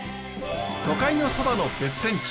都会のそばの別天地。